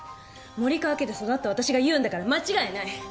森川家で育った私が言うんだから間違いない。